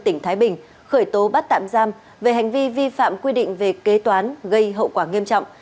tỉnh thái bình khởi tố bắt tạm giam về hành vi vi phạm quy định về kế toán gây hậu quả nghiêm trọng